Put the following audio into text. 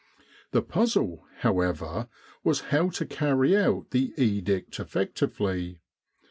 The puzzle, however, was how to carry out the edict effectively.